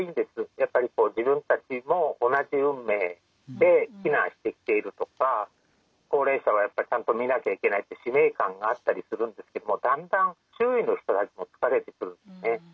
やっぱり自分たちも同じ運命で避難してきているとか高齢者はやっぱりちゃんと見なきゃいけないって使命感があったりするんですけれどもだんだん周囲の人たちも疲れてくるんですね。